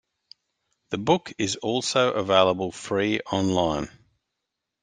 The book is also available free online.